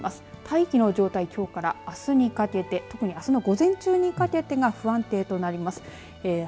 大気の状態きょうからあすにかけて特に、あすの午前中にかけてが不安定となります。